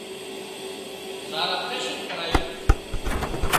زار اپريشن ڪرايوُن